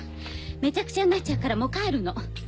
メチャクチャになっちゃうからもう帰るの。